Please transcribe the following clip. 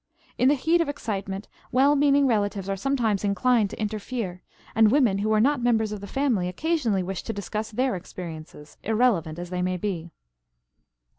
In the heat of excitement well meaning relatives are sometimes inclined to interfere, and women who are not members of the family occasionally wish to discuss their experiences, irrelevant as they may be.